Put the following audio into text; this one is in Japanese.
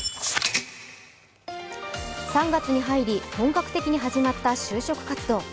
３月に入り本格的に始まった就職活動。